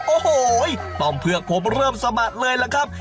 โอ้โหต้มเผือกผมเริ่มสะบัดเลยล่ะครับ